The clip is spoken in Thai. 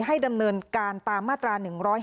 ให้ดำเนินการตามมาตรา๑๕